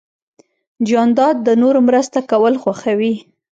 جانداد د نورو مرسته کول خوښوي.